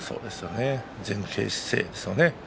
前傾姿勢ですね。